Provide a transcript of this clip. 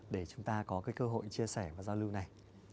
để chúng ta có cái cơ hội chia sẻ và giao lưu này